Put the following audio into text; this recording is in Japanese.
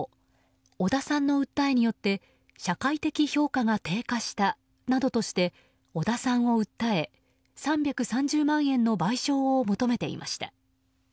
織田さんの訴えによって社会的評価が低下したなどとして織田さんを訴え３３０万円の賠償を求めていました。